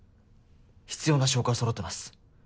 必要な証拠は揃ってます。